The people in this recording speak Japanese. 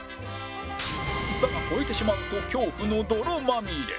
だが越えてしまうと恐怖の泥まみれ